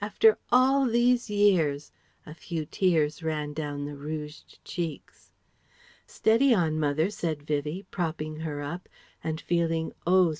after all these years!" (a few tears ran down the rouged cheeks). "Steady on, mother," said Vivie, propping her up, and feeling oh!